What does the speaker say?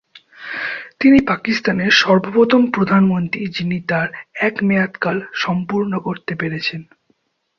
তিনি পাকিস্তানের সর্বপ্রথম প্রধানমন্ত্রী যিনি তার এক মেয়াদকাল সম্পূর্ণ করতে পেরেছেন।